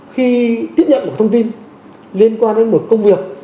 khi tiếp nhận một thông tin liên quan đến một công việc